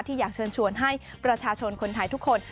อยากเชิญชวนให้ประชาชนคนไทยทุกคน